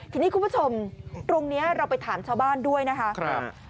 ทีนี้คุณผู้ชมตรงนี้เราไปถามชาวบ้านด้วยนะคะ